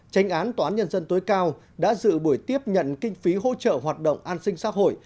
tranh án tòa án nhân dân tối cao đã dự buổi tiếp nhận kinh phí hỗ trợ hoạt động an sinh xã hội